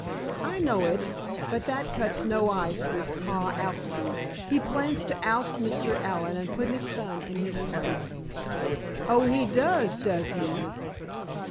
"I know it, but that cuts no ice with Pa Appleby. He plans to oust Mr. Allen and put his son in his place." "Oh, he does, does he?"